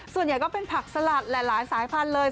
ส่วนใหญ่ก็เป็นผักสลัดหลายสายพันธุ์เลย